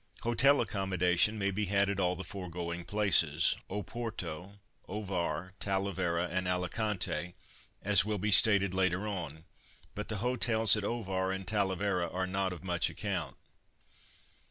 Hotel accommodation may be had at all the foregoing places, Oporto, Ovar, Talavera and Alicante, as will be stated later on, but the Hotels at Ovar and Talavera are not of much account.